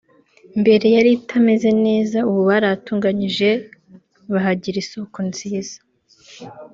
mbere yari itameze neza ubu barahatunganyije bahagira isoko nziza